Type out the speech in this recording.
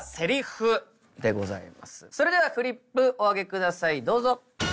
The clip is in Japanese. それではフリップお上げくださいどうぞ。